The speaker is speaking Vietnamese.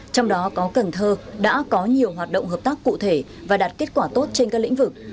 trong đó có cần thơ đã có nhiều hoạt động hợp tác cụ thể và đạt kết quả tốt trên các lĩnh vực